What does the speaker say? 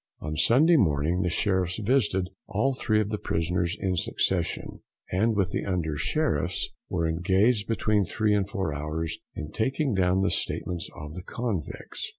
On Sunday morning the Sheriffs visited all three of the prisoners in succession, and with the Under Sheriffs were engaged between three and four hours in taking down the statements of the convicts.